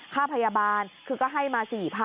ค่าพยาบาลคือก็ให้มา๔๐๐๐